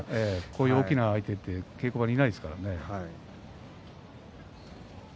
こういう大きな相手は稽古場にいないですからね。